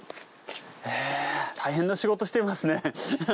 へえ大変な仕事していますね。